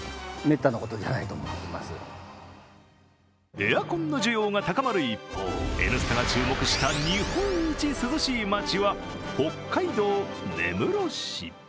エアコンの需要が高まる一方、「Ｎスタ」が注目した日本一涼しい街は北海道根室市。